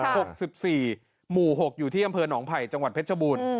หกสิบสี่หมู่หกอยู่ที่อำเภอหนองไผ่จังหวัดเพชรบูรณ์